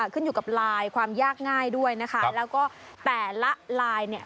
ขึ้นอยู่กับลายความยากง่ายด้วยนะคะแล้วก็แต่ละลายเนี่ย